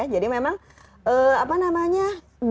jadi memang dengan itu bisa ke trace